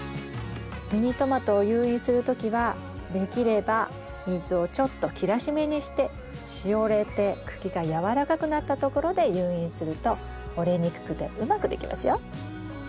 ミニトマトを誘引する時はできれば水をちょっと切らしめにしてしおれて茎がやわらかくなったところで誘引すると折れにくくてうまくできますよ。